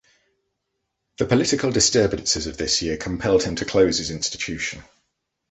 The political disturbances of this year compelled him to close his institution.